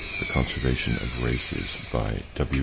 The Conservation of Races. BY W.